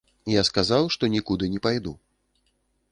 Я сказаў, што нікуды не пайду.